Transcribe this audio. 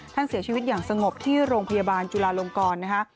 เสียชีวิตอย่างสงบที่โรงพยาบาลจุลาลงกรนะคะ